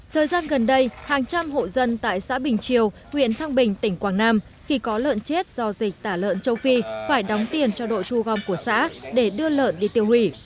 thời gian gần đây hàng trăm hộ dân tại xã bình triều huyện thăng bình tỉnh quảng nam khi có lợn chết do dịch tả lợn châu phi phải đóng tiền cho đội thu gom của xã để đưa lợn đi tiêu hủy